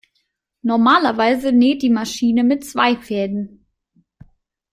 Normalerweise näht die Maschine mit zwei Fäden.